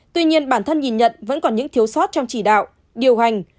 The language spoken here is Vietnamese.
tuy nhiên bản thân nhìn nhận vẫn còn những thiếu sót trong chỉ đạo điều hành